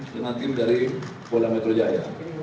dengan tim dari polda metro jaya